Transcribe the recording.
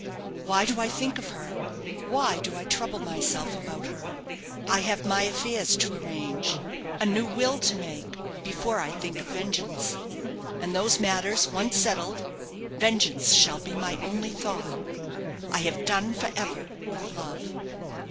Why do I think of her? why do I trouble myself about her? I have my affairs to arrange a new will to make before I think of vengeance. And those matters once settled, vengeance shall be my only thought. I have done for ever with love!"